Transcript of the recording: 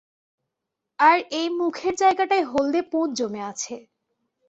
আর এই মুখের জায়গাটায় হলদে পুঁজ জমে আছে।